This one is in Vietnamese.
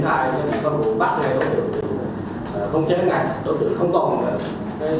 không chơi ngay đối tượng không còn khả năng điều kiện gì để đối tượng